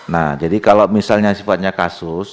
nah jadi kalau misalnya sifatnya kasus